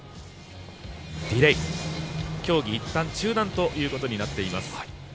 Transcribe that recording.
ディレイ、競技、いったん中断ということになっています。